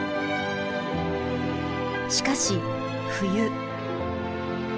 しかし冬。